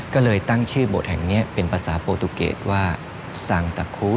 ก็เลยตั้งชื่อบทแห่งนี้เป็นภาษาโปรตูเกตว่าสังตะคุ